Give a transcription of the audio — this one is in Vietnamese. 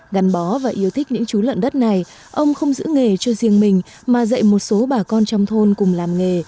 gắn bó và yêu thích những chú lợn đất này ông không giữ nghề cho riêng mình mà dạy một số bà con trong thôn cùng làm nghề